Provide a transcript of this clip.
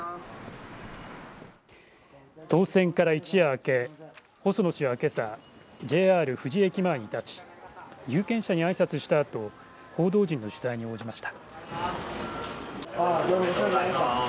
当選から一夜明け細野氏はけさ、ＪＲ富士駅前に立ち有権者にあいさつしたあと報道陣の取材に応じました。